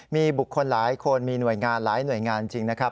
มีบุคคลหลายคนมีหน่วยงานหลายหน่วยงานจริงนะครับ